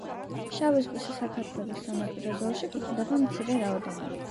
შავი ზღვის საქართველოს სანაპირო ზოლში გვხვდება მცირე რაოდენობით.